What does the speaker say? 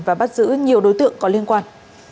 và bắt giữ nhiều đối tượng có liên quan